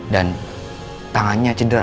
dan tangannya cedera